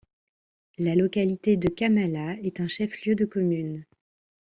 La localité de Kamala est un chef-lieu de commune.